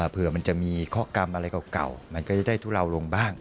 เผื่อมันจะมีข้อกรรมอะไรเก่ามันก็จะได้ทุเลาลงบ้าง